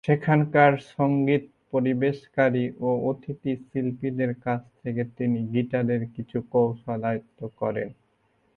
সেখানকার সঙ্গীত পরিবেশনকারী ও অতিথি শিল্পীদের কাছ থেকে তিনি গিটারের কিছু কৌশল আয়ত্ত করেন।